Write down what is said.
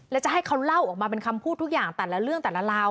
แล้วจะให้เขาเล่าออกมาเป็นคำพูดทุกอย่างแต่ละเรื่องแต่ละราว